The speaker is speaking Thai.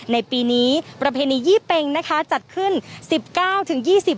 ในปีนี้ประเพณียี่เปงนะคะจัดขึ้นสิบเก้าถึงยี่สิบ